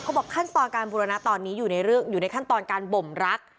เขาบอกขั้นตอนการบูรณาตอนนี้อยู่ในเรื่องอยู่ในขั้นตอนการบ่มรัก